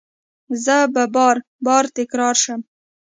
زه به بار، بار تکرار شم